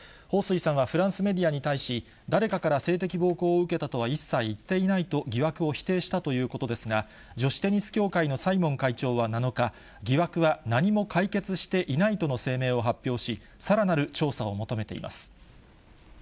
彭帥さんはフランスメディアに対し、誰かから性的暴行を受けたとは、一切言っていないと疑惑を否定したということですが、女子テニス協会のサイモン会長は７日、疑惑は何も解決していないとの声明を発表し、さらなる調査を求めています。